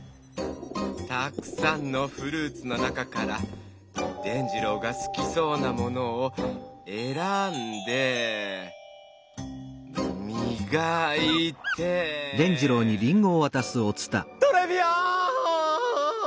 たくさんのフルーツの中から伝じろうがすきそうなものを選んでみがいてトレビアーン！